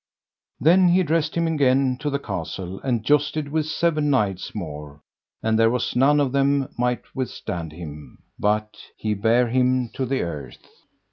Then he dressed him again to the castle, and jousted with seven knights more, and there was none of them might withstand him, but he bare him to the earth.